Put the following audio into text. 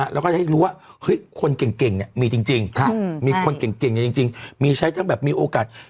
แล้วให้รู้ว่าคนเก่งมีจริงใช้ว่ามีโอกาส